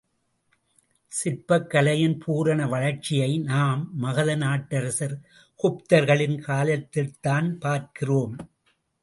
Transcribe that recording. சிற்பக் கலையின் பூரண வளர்ச்சியை நாம் மகத நாட்டரசர் குப்தர்களின் காலத்தில்தான் பார்க்கிறோம்.